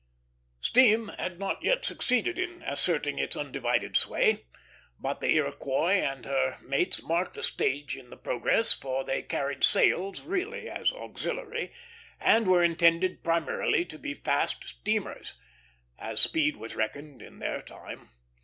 Steam had not yet succeeded in asserting its undivided sway; but the Iroquois and her mates marked a stage in the progress, for they carried sails really as auxiliary, and were intended primarily to be fast steamers, as speed was reckoned in their time.